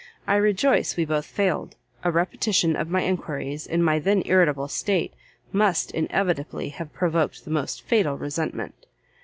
I rejoice we both failed; a repetition of my enquiries in my then irritable state, must inevitably have provoked the most fatal resentment.